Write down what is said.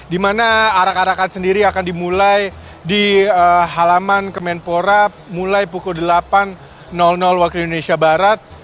di mana arak arakan sendiri akan dimulai di halaman kemenpora mulai pukul delapan waktu indonesia barat